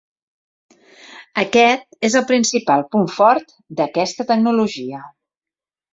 Aquest és el principal punt fort d'aquesta tecnologia.